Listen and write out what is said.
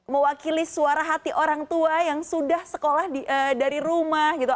mewakili suara hati orang tua yang sudah sekolah dari rumah gitu